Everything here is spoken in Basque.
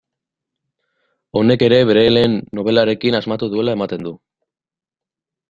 Honek ere bere lehen nobelarekin asmatu duela ematen du.